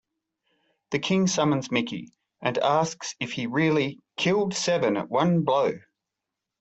The king summons Mickey, and asks if he really "killed seven at one blow".